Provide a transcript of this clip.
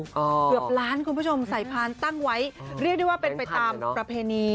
เกือบล้านคุณผู้ชมสายพานตั้งไว้เรียกได้ว่าเป็นไปตามประเพณี